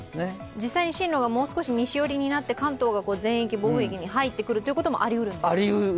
実際に進路がもう少し西寄りになって関東が暴風域に入ってくることもありうるんですか？